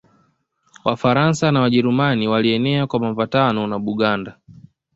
Wafaransa na Wajerumani Walienea kwa mapatano na Buganda